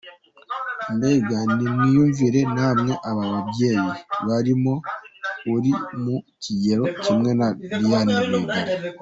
Mbega nimwiyumvire namwe aba babyeyi, barimo n’uri mu kigero kimwe na Diane Rwigara .